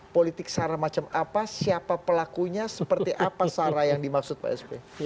politik sarah macam apa siapa pelakunya seperti apa sarah yang dimaksud pak sp